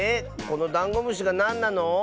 このダンゴムシがなんなの？